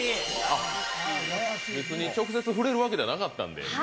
直接触れるわけではなかったんで。